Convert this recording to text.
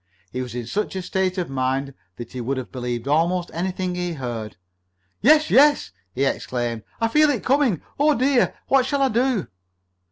He was in such a state of mind that he would have believed almost anything he heard. "Yes! Yes!" he exclaimed. "I feel it coming! Oh, dear! What shall I do?"